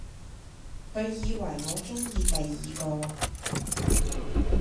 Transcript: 佢以為我中意第二個